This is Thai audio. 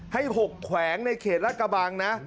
ให้๖แขวงในเขตรัฐกระบังนะ